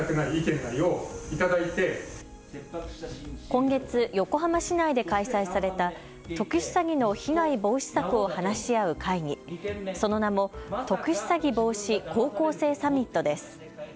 今月、横浜市内で開催された特殊詐欺の被害防止策を話し合う会議、その名も特殊詐欺防止高校生サミットです。